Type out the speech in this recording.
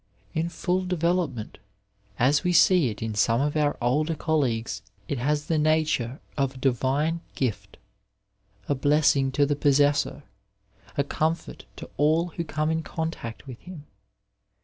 In full development, as we see it in some of our older colleagues, it has the nature of a divine gift, a blessLog to the possessor, a comfort to all who come in contact with him.